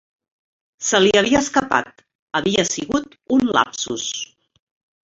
Se li havia escapat. Havia sigut un lapsus.